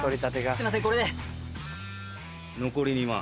すいませんこれで。